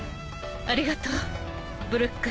ありがとうブルック。